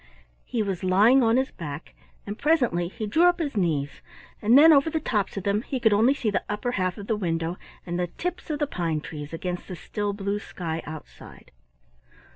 He was lying on his back, and presently he drew up his knees, and then over the tops of them he could only see the upper half of the window, and the tips of the pine trees against the still blue sky outside.